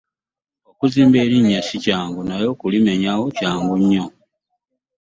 Okuzimba erinnya si kyangu naye okulimenyawo kyangu nnyo.